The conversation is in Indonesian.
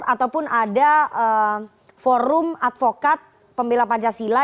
ataupun ada forum advokat pembela pancasila